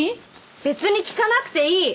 別に聴かなくていい！